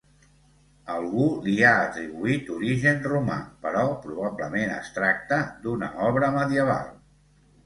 Algú li ha atribuït origen romà, però, probablement es tracta d'una obra medieval.